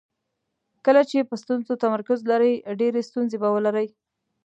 کله چې په ستونزو تمرکز لرئ ډېرې ستونزې به ولرئ.